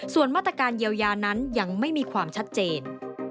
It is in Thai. ส่วนมาตรการเยียวยานั้นยังไม่มีความชัดเจน